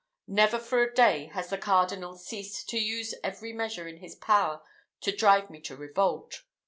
never for a day has the cardinal ceased to use every measure in his power to drive me to revolt.